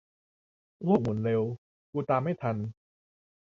โลกหมุนเร็ว กูตามไม่ทัน